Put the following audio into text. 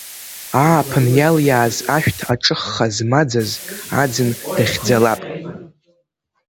Ааԥын иалиааз ашәҭ аҿыхха змаӡаз аӡын дахьӡалап.